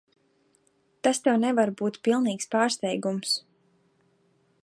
Tas tev nevar būt pilnīgs pārsteigums.